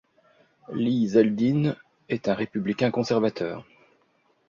Lee Zeldin est un républicain conservateur.